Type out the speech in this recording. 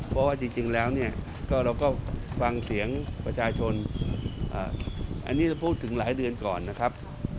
เพราะว่าจริงแล้วเนี่ยก็เราก็ฟังเสียงประชาชนอันนี้เราพูดถึงหลายเดือนก่อนนะครับ